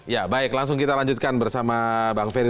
ya baik langsung kita lanjutkan bersama bang ferry